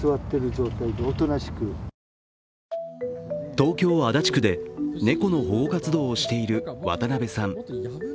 東京・足立区で猫の保護活動をしている渡邉さん。